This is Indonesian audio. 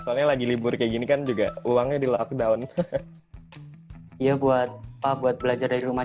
soalnya lagi libur kayak gini kan juga uangnya di lockdown ya buat apa buat belajar dari rumah